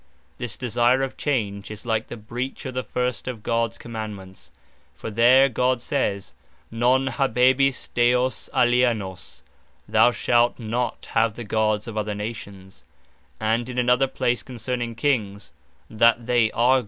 This desire of change, is like the breach of the first of Gods Commandements: For there God says, Non Habebis Deos Alienos; Thou shalt not have the Gods of other Nations; and in another place concerning Kings, that they are Gods.